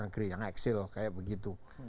yang diluar negeri yang eksil kayak begitu